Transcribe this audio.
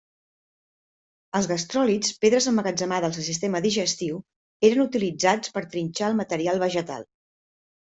Els gastròlits, pedres emmagatzemades al sistema digestiu, eren utilitzats per trinxar el material vegetal.